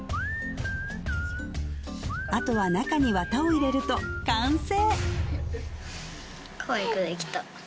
あとは中に綿を入れると完成！